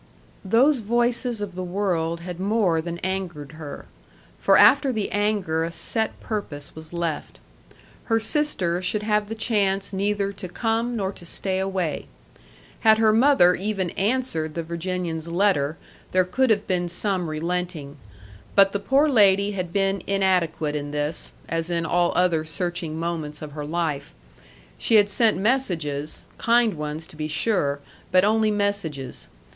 Those voices of the world had more than angered her; for after the anger a set purpose was left. Her sister should have the chance neither to come nor to stay away. Had her mother even answered the Virginian's letter, there could have been some relenting. But the poor lady had been inadequate in this, as in all other searching moments of her life: she had sent messages, kind ones, to be sure, but only messages.